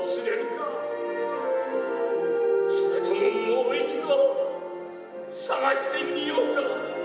それとも、もう一度探してみようか。